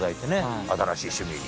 新しい趣味に。